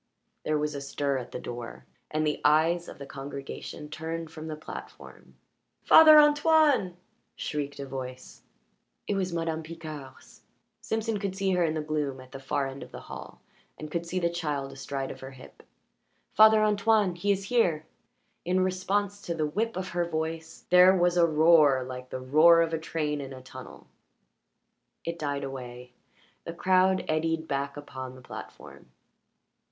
There was a stir at the door, and the eyes of the congregation turned from the platform. "Father Antoine!" shrieked a voice. It was Madame Picard's; Simpson could see her in the gloom at the far end of the hall and could see the child astride of her hip. "Father Antoine! He is here!" In response to the whip of her voice there was a roar like the roar of a train in a tunnel. It died away; the crowd eddied back upon the platform.